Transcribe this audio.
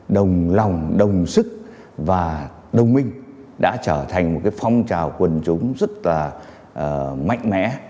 đồng lòng đồng sức và đồng minh đã trở thành một phong trào quần chúng rất là mạnh mẽ